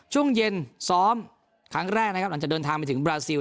ช่วงเย็นซ้อมครั้งแรกนะครับหลังจากเดินทางไปถึงบราซิล